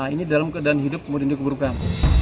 ini dalam keadaan hidup kemudian dikeburukan